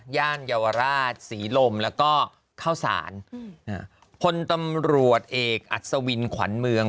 ย่านเยาวราชศรีลมแล้วก็ข้าวสารอืมน่ะคนตำรวจเอกอัศวินขวัญเมือง